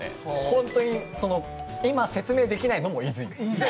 本当に、今、説明できないのもいずい！